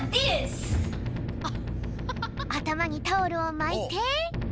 あたまにタオルをまいて。